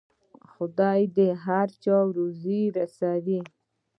خدای د هر چا روزي رسوي.